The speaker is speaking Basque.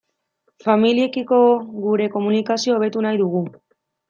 Familiekiko gure komunikazio hobetu nahi dugu.